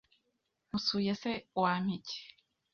nkusuye se wampa iki